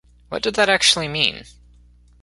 What did that actually mean?